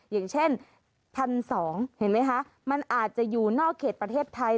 อย่างเช่น๑๒๐๐เห็นไหมคะมันอาจจะอยู่นอกเขตประเทศไทย